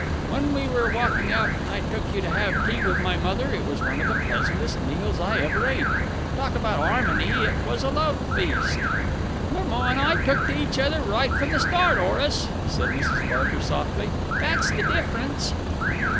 When we were walking out and I took you to have tea with my mother, it was one of the pleasantest meals I ever ate. Talk about 'armony! It was a love feast!" "Your ma and I took to each other right from the start, Horace," said Mrs. Barker softly. "That's the difference."